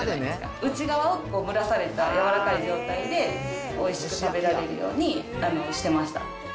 内側を蒸らされたやわらかい状態で、おいしく食べられるようにしてました。